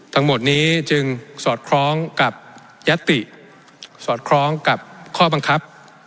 ทั้งหมดนี้จึงสอดคล้องกับยัตติสอดคล้องกับข้อบังคับ